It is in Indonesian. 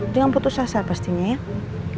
dengan putus asa pastinya ya